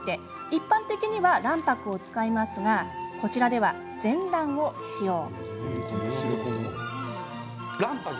一般的には卵白を使いますがこちらでは全卵を使用。